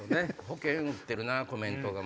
保険打ってるなコメントが。